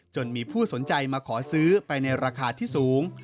จนมีผู้สนใจมาขอซื้อไปในราคาที่สูง